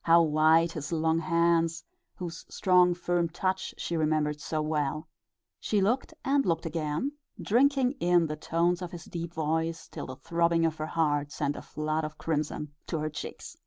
How white his long hands, whose strong, firm touch she remembered so well! She looked and looked again, drinking in the tones of his deep voice, till the throbbing of her heart sent a flood of crimson to her cheeks.